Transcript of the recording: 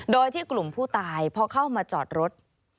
โดยที่กลุ่มผู้ตายพอเข้ามาจอดรถ